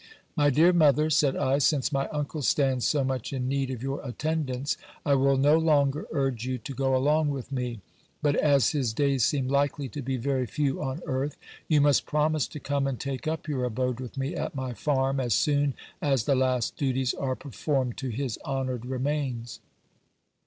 My dear mother, said I, since my uncle stands so much in need of your attendance, I will no longer urge you to go along with me ; but, as his days seem likely to be very few on earth, you must promise to come and take up your abode with me at my farm, as soon as the last duties are performed to his honoured remains.